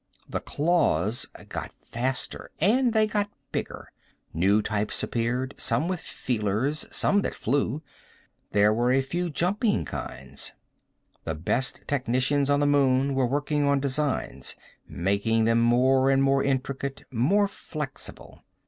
The claws got faster, and they got bigger. New types appeared, some with feelers, some that flew. There were a few jumping kinds. The best technicians on the moon were working on designs, making them more and more intricate, more flexible.